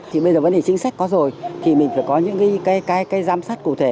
thì bây giờ vấn đề chính sách có rồi thì mình phải có những cái giám sát cụ thể